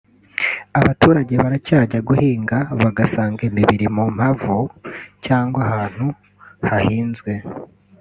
Abaturage baracyajya guhinga bagasanga imibiri mu mpavu cyangwa ahantu hahinzwe